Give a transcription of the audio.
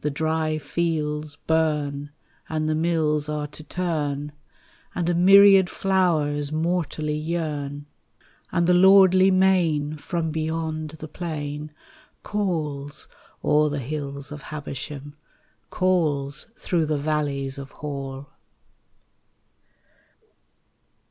The dry fields burn, and the mills are to turn, And a myriad flowers mortally yearn, 1207] RAINBOW GOLD And the lordly main from beyond the plain Calls o'er the hills of Habersham, Calls through the valleys of Hall.